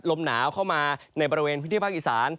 ลมหนาวเข้ามาในบริเวณพื้นที่ภาคอีสาน